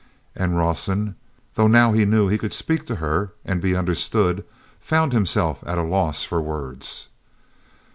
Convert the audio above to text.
And Rawson, though now he knew he could speak to her and be understood, found himself at a loss for words.